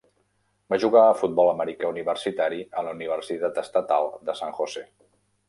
Va jugar futbol americà universitari a la Universitat Estatal de San Jose.